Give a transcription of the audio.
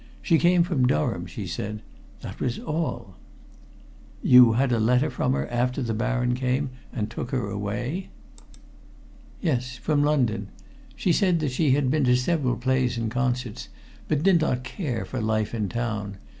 She came from Durham, she said that was all." "You had a letter from her after the Baron came and took her away?" "Yes, from London. She said that she had been to several plays and concerts, but did not care for life in town.